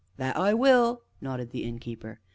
"That I will!" nodded the Innkeeper.